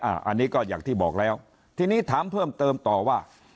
อันนี้ก็อย่างที่บอกแล้วทีนี้ถามเพิ่มเติมต่อว่า